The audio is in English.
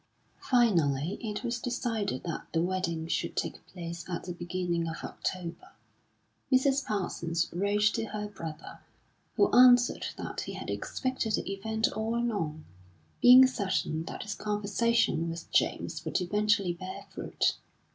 Finally, it was decided that the wedding should take place at the beginning of October. Mrs. Parsons wrote to her brother, who answered that he had expected the event all along, being certain that his conversation with James would eventually bear fruit.